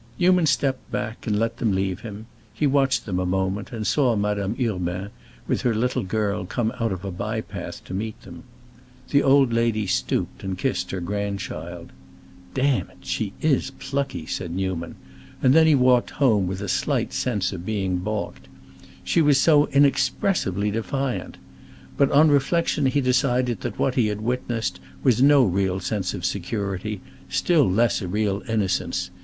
Newman stepped back and let them leave him; he watched them a moment and saw Madame Urbain, with her little girl, come out of a by path to meet them. The old lady stooped and kissed her grandchild. "Damn it, she is plucky!" said Newman, and he walked home with a slight sense of being balked. She was so inexpressively defiant! But on reflection he decided that what he had witnessed was no real sense of security, still less a real innocence.